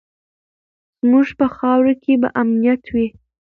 زموږ په خاوره کې به امنیت وي.